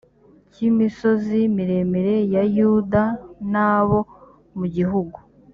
cy imisozi miremire ya yuda n abo mu gihugu